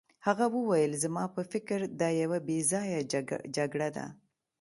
هغه وویل زما په فکر دا یوه بې ځایه جګړه ده.